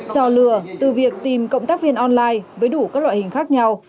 cho lừa từ việc tìm cộng tác viên online với đủ các loại hình khác nhau